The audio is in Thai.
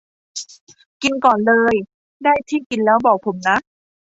กินก่อนเลย ได้ที่กินแล้วบอกผมนะ